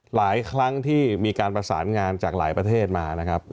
หลายครั้งที่มีการประสานงานจากหลายประเทศมานะครับ